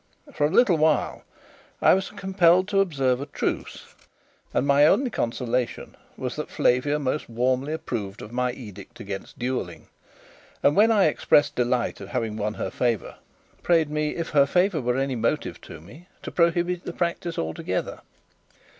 For a little while I was compelled to observe a truce, and my only consolation was that Flavia most warmly approved of my edict against duelling, and, when I expressed delight at having won her favour, prayed me, if her favour were any motive to me, to prohibit the practice altogether.